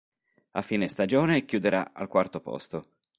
A fine stagione chiuderà al quarto posto.